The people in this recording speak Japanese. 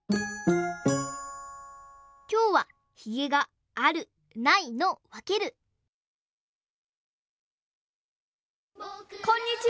きょうはヒゲがあるないのわけるこんにちは！